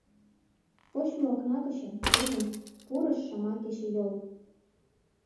Почмо окна гычын, ужым, Пурыш шыма кечыйол.